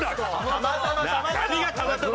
たまたまたまたま。